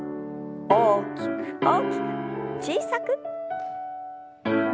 大きく大きく小さく。